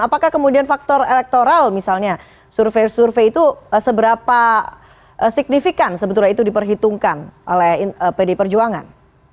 apakah kemudian faktor elektoral misalnya survei survei itu seberapa signifikan sebetulnya itu diperhitungkan oleh pd perjuangan